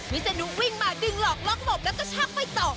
วิศนุวิ่งมาดึงหลอกลอกหลบแล้วก็ชักไปต่อ